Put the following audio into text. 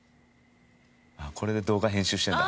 ああこれで動画編集してるんだ。